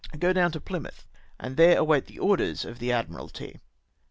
Go down to Plymouth, and there await the orders of the Admu alty."